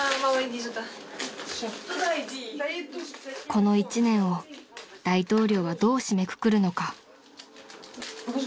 ［この１年を大統領はどう締めくくるのか］